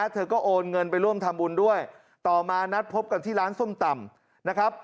เธอก็โอนเงินไปร่วมทำบุญด้วยต่อมานัดพบกันที่ร้านส้มตำนะครับ